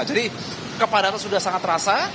kepadatan sudah sangat terasa